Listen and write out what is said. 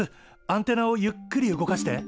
アンテナをゆっくり動かして。